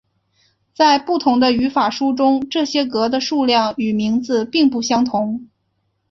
在不同的语法书中这些格的数量与名字并不相同。